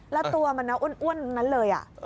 แล้วตัวมันอ้วนนั้นเลย